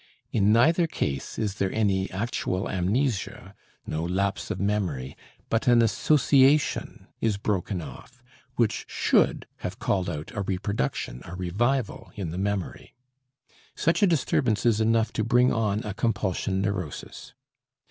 In neither case is there any actual amnesia, no lapse of memory, but an association is broken off which should have called out a reproduction, a revival in the memory. Such a disturbance is enough to bring on a compulsion neurosis.